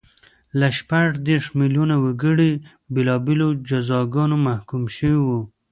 له شپږ دېرش میلیونه وګړي بېلابېلو جزاګانو محکوم شوي وو